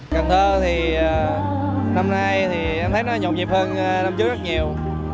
cần thơ thì năm nay thì em thấy nó nhộn nhịp hơn năm trước rất nhiều